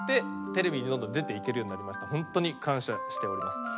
ホントに感謝しております。